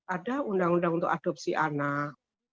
ada undang undang untuk adopsi anak